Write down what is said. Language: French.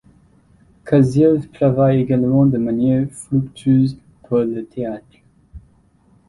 Kaziev travaille également de manière fructueuse pour le théâtre.